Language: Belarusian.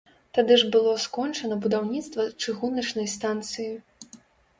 Тады ж было скончана будаўніцтва чыгуначнай станцыі.